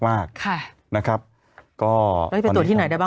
ค่ะแล้วจะไปตรวจที่ไหนได้บ้าง